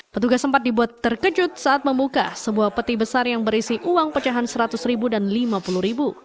petugas sempat dibuat terkejut saat membuka sebuah peti besar yang berisi uang pecahan seratus ribu dan rp lima puluh